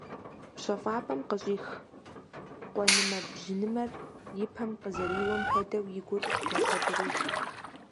ПщэфӀапӀэм къыщӀих къуэнымэ-бжьынымэр и пэм къызэриуэм хуэдэу, и гур мэсабырыж.